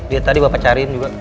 ya tadi bapak cariin juga